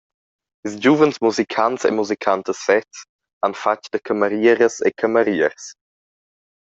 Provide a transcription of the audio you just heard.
Ils giuvens musicants e musicantas sezs han fatg da camerieras e cameriers.